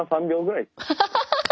ハハハハハ！